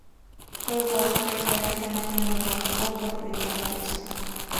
Fue Walter Gaitán quien le marcó por primera vez.